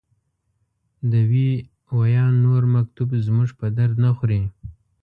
د وي ویان نور مکتوب زموږ په درد نه خوري.